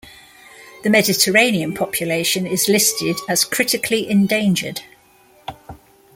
The Mediterranean population is listed as critically endangered.